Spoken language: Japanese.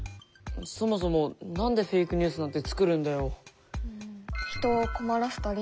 そもそも何でフェイクニュースなんてつくるんだよ。